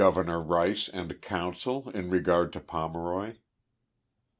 ernor Rice and Council in regard to Pomeroy.